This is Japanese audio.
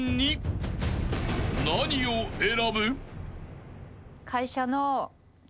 ［何を選ぶ？］